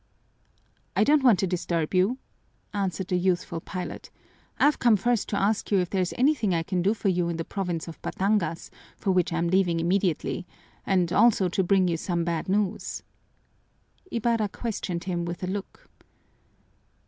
"I don't want to disturb you," answered the youthful pilot. "I've come first to ask you if there is anything I can do for you in the province, of Batangas, for which I am leaving immediately, and also to bring you some bad news." Ibarra questioned him with a look.